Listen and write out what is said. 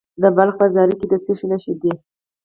د بلخ په زاري کې د څه شي نښې دي؟